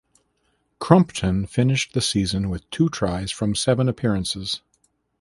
Crumpton finished the season with two tries from seven appearances.